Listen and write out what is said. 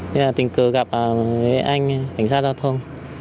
thế là tình cờ gặp anh cảnh sát giao thông